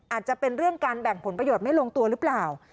อาจจะเป็นเรื่องการแบ่งผลประโยชน์ไม่ลงตัวหรือเปล่า